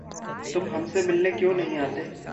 तुम हमसे मिलने क्यों नहीं आते?